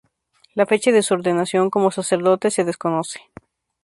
La fecha de su ordenación como sacerdote se desconoce.